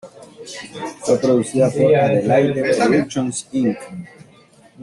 Fue producida por Adelaide Productions Inc.